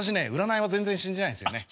占いは全然信じないんすよね。